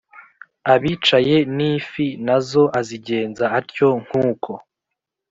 Abicaye n ifi na zo azigenza atyo nk uko